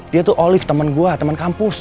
dia tuh olive temen gue teman kampus